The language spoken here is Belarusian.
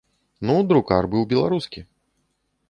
Ну, друкар быў беларускі.